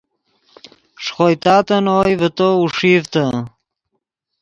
ݰے خوئے تاتن اوئے ڤے تو اوݰیڤتے